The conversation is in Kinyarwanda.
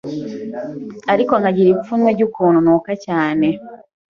ariko nkagira ipfunwe ry’ukuntu nuka cyane,